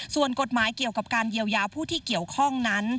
ส่วนกฎหมายเกี่ยวกับการเยียวยาผู้ที่เกี่ยวข้องนั้น